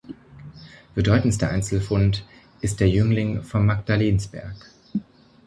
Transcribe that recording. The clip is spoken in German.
Bedeutendster Einzelfund ist der Jüngling vom Magdalensberg.